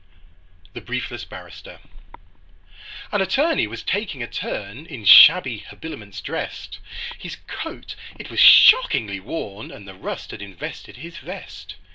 THE BRIEFLESS BARRISTER A BALLAD N Attorney was taking a turn, In shabby habiliments drest; His coat it was shockingly worn, And the rust had invested his vest.